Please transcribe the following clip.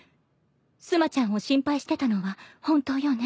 須磨ちゃんを心配してたのは本当よね？